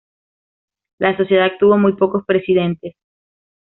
La sociedad tuvo muy pocos presidentes.